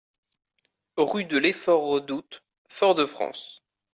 Rue de l'Effort Redoute, Fort-de-France